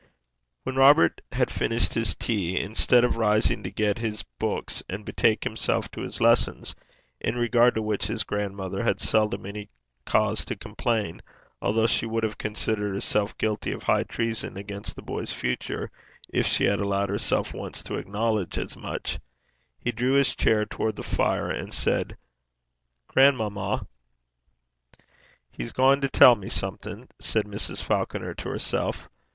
When Robert had finished his tea, instead of rising to get his books and betake himself to his lessons, in regard to which his grandmother had seldom any cause to complain, although she would have considered herself guilty of high treason against the boy's future if she had allowed herself once to acknowledge as much, he drew his chair towards the fire, and said: 'Grandmamma!' 'He's gaein' to tell me something,' said Mrs. Falconer to herself.